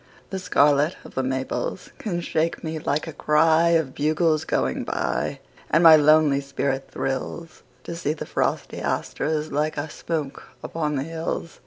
The scarlet of the maples can shake me like a cryOf bugles going by. And my lonely spirit thrillsTo see the frosty asters like a smoke upon the hills.